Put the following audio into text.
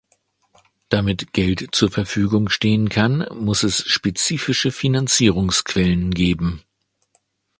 Damit Geld zur Verfügung stehen kann, muss es spezifische Finanzierungsquellen geben.